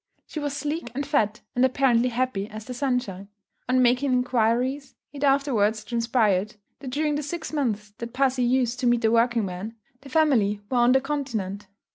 She was sleek and fat, and apparently happy as the sunshine. On making inquiries, it afterwards transpired that during the six months that pussy used to meet the working man, the family were on the Continent.